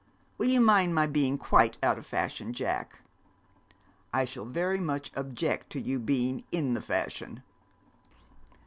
Will you mind my being quite out of fashion, Jack?' 'I should very much object to your being in the fashion.'